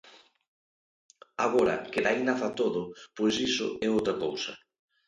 Agora, que de aí naza todo, pois iso é outra cousa.